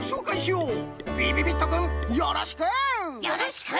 よろしく！